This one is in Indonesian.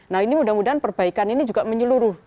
nah ini mudah mudahan perbaikan ini juga menyeluruh